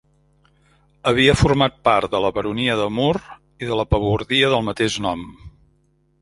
Havia format part de la baronia de Mur i de la pabordia del mateix nom.